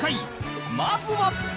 まずは